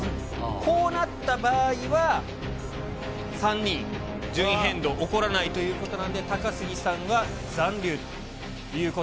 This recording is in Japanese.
こうなった場合は、３人、順位変動起こらないということなんで、高杉さんは残留ということ